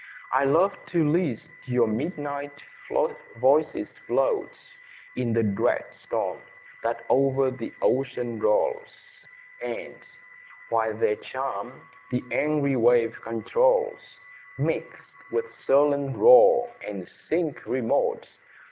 I love to list your midnight voices float In the dread storm, that o'er the ocean rolls, And, while their charm the angry wave controls, Mix with its sullen roar, and sink remote.